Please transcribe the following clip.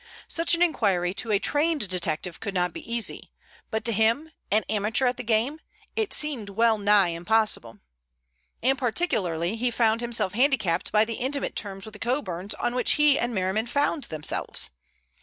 Such an inquiry to a trained detective could not be easy, but to him, an amateur at the game, it seemed well nigh impossible. And particularly he found himself handicapped by the intimate terms with the Coburns on which he and Merriman found themselves.